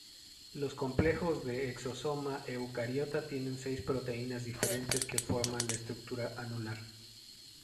Los complejos de exosoma eucariota tienen seis proteínas diferentes que forman la estructura anular.